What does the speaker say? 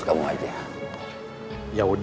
setiap masa stay behind your giru ini